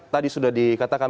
tadi sudah dikatakan pertanyaan